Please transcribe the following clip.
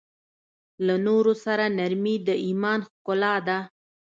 له نورو سره نرمي د ایمان ښکلا ده.